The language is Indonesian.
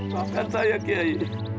bahkan saya kiai